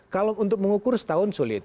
kalau untuk mengukur setahun sulit